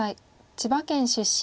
千葉県出身。